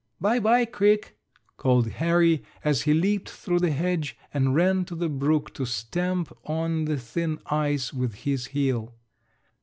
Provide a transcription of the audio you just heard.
'" "By by, Crick!" called Harry, as he leaped through the hedge and ran to the brook to stamp on the thin ice with his heel.